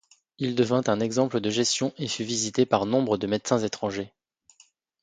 Il devint un exemple de gestion et fut visité par nombre de médecins étrangers.